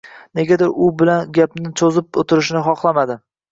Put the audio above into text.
Negadir u bilan gapni cho`zib o`tirishni xahlamadi